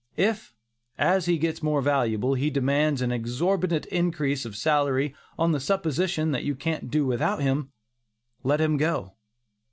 If, as he gets more valuable, he demands an exorbitant increase of salary on the supposition that you can't do without him, let him go.